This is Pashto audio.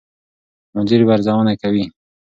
مدیر به ارزونه کوي.